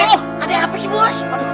ada apa sih bos